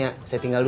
gak ada yang ngerti